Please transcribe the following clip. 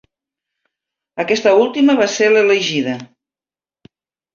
Aquesta última va ser l'elegida.